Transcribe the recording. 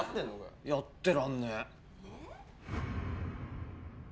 やってらんねええっ？